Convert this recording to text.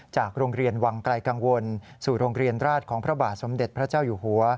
จากโรงเรียนวังไกลกังวลสู่โรงเรียนราชของพระบาทสมเด็จพระเจ้าอยู่หัว